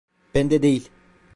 Bende değil.